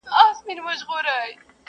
o امن ښه دی پاچا هلته به خوند وکړي,